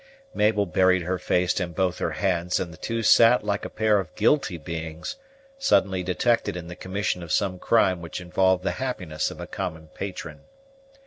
Mabel buried her face in both her hands; and the two sat like a pair of guilty beings, suddenly detected in the commission of some crime which involved the happiness of a common patron.